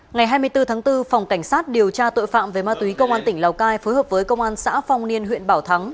ngày hai mươi bốn tháng bốn phòng cảnh sát điều tra tội phạm về ma túy công an tỉnh lào cai phối hợp với công an xã phong niên huyện bảo thắng